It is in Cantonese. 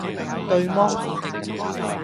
「對麼？」